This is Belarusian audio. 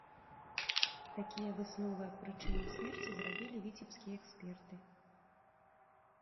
Такія высновы аб прычыне смерці зрабілі віцебскія эксперты.